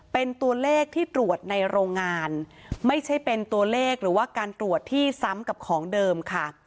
เป็นตัวเลขที่ตรวจในโรงงานไม่ใช่เป็นตัวเลขหรือว่าการตรวจที่ซ้ำกับของเดิมค่ะ